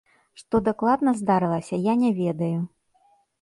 Што дакладна здарылася, я не ведаю.